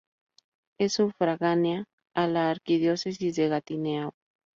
Es sufragánea a la Arquidiócesis de Gatineau.